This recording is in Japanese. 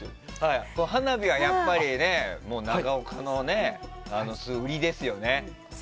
花火はやっぱり長岡の売りですよね。